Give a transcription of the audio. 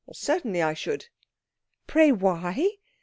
"Certainly I should." "Pray, why?"